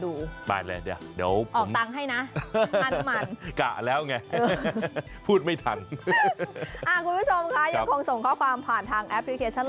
ดูแบบนี้เดี๋ยวเอาออกตังค์ให้นะมันกะแล้วไงพูดไม่ถังคุณผู้ชมแค่อย่างข้องส่งข้อความผ่านทางแอปพลิเคชั่น